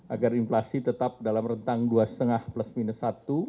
agar inflasi tetap dalam rentang dua lima plus minus satu